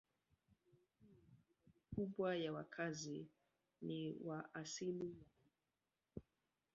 Leo hii idadi kubwa ya wakazi ni wa asili ya Kihindi.